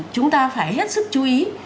chúng ta phải hết sức chú ý